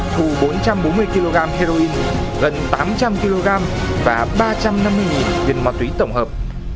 thu bốn trăm bốn mươi kg heroin gần tám trăm linh kg và ba trăm năm mươi viên ma túy tổng hợp